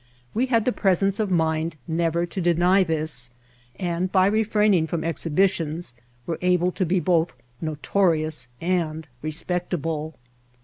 We had the presence of mind never to deny this and by refraining from exhibitions were able to be both notorious and respectable.